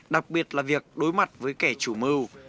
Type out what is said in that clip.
đặc biệt là việc đối mặt với kẻ chủ mưu